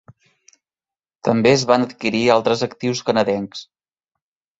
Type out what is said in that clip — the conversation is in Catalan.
També es van adquirir altres actius canadencs.